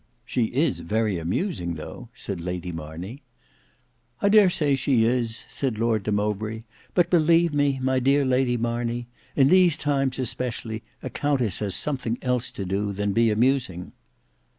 "She is very amusing though," said Lady Marney. "I dare say she is," said Lord de Mowbray; "but believe me, my dear Lady Marney, in these times especially, a countess has something else to do than be amusing."